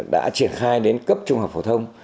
đã triển khai đến cấp trung học phổ thông